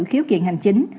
khiếu kiện hành chính